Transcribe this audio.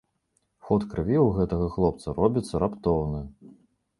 Ход крыві ў гэтага хлопца робіцца раптоўны.